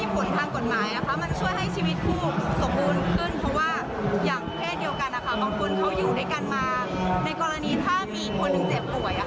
บางคนเขาอยู่ด้วยกันมาในกรณีถ้ามีอีกคนนึงเจ็บป่วย